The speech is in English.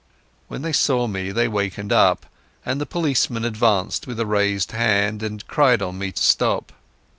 When they saw me they wakened up, and the policeman advanced with raised hand, and cried on me to stop.